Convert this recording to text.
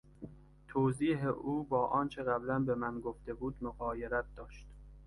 توضیح او با آنچه قبلا به من گفته بود مغایرت داشت.